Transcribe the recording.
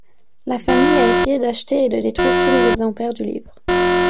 La famille a essayé d'acheter et de détruire tous les exemplaires du livre.